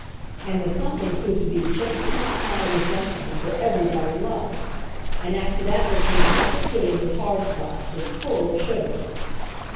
And the something proved to be chicken pot pie with dumplings that everybody loves. And after that there came apple pudding with hard sauce, just full of sugar.